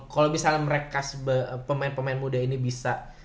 kalau misalnya mereka pemain pemain muda ini bisa